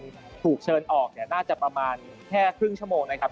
ถูกเชิญออกเนี่ยน่าจะประมาณแค่ครึ่งชั่วโมงนะครับ